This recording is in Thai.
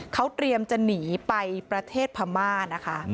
เขาเตรียมจะหนีไปประเทศพม่านะคะ